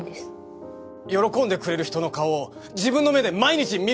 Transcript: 喜んでくれる人の顔を自分の目で毎日見る事ができて。